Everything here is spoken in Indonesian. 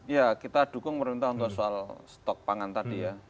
ya kita dukung pemerintah untuk soal stok pangan tadi ya